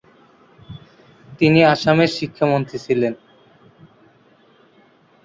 তিনি আসামের শিক্ষামন্ত্রী ছিলেন।